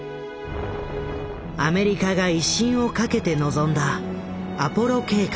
アメリカが威信をかけて臨んだ「アポロ計画」。